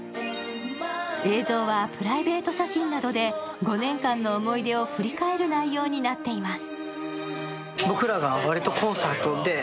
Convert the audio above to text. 映像はプライベート写真などで５年間の思い出を振り返る内容になっています。